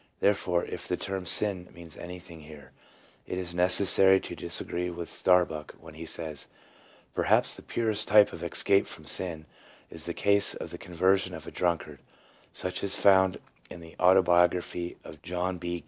Therefore, if the term " sin " means anything here, it is necessary to dis agree with Starbuck when he says —" Perhaps the purest type of ' escape from sin ' is the case of the conversion of a drunkard, such as is found in the auto biography of John B.